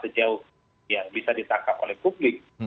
itu yang bisa ditangkap oleh publik